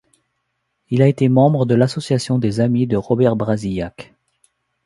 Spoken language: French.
Il a été membre de l'Association des amis de Robert Brasillach.